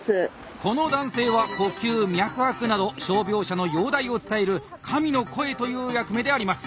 この男性は呼吸脈拍など傷病者の容体を伝える「神の声」という役目であります。